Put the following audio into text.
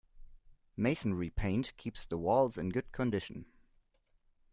Masonry paint keeps the walls in good condition.